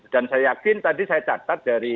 dan saya yakin tadi saya catat dari